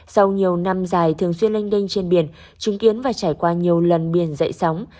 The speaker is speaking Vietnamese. sau nhiều năm dài thường xuyên lênh đênh trên biển chứng kiến và trải qua nhiều lần biển dậy sóng